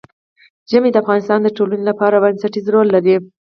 ژمی د افغانستان د ټولنې لپاره بنسټيز رول لري.